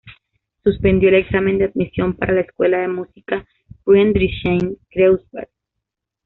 Suspendió el examen de admisión para la escuela de música Friedrichshain-Kreuzberg.